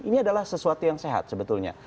ini adalah sesuatu yang sehat sebetulnya